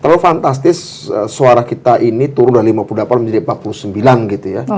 kalau fantastis suara kita ini turun dari lima puluh delapan menjadi empat puluh sembilan gitu ya